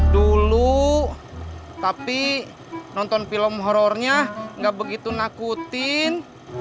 dulu tapi nonton film horornya gak begitu nakutin